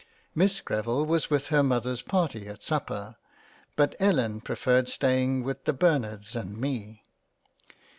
Miss Greville was with her Mother's party at supper, but Ellen preferred staying with the Bernards and me.